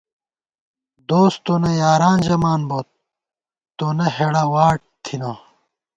دوس تونہ یاران ژَمان بوت ، تونہ ہېڑہ واٹ تھنہ